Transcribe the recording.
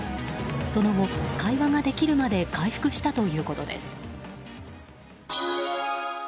その後、会話ができるまで回復したということです。